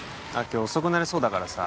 今日遅くなりそうだからさ